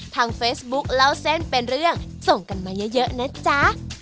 ทางเฟซบุ๊คเล่าเส้นเป็นเรื่องส่งกันมาเยอะนะจ๊ะ